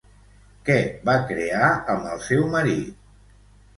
Què va crear, amb el seu marit?